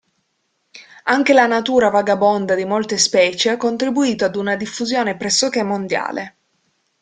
Anche la natura vagabonda di molte specie ha contribuito ad una diffusione pressoché mondiale.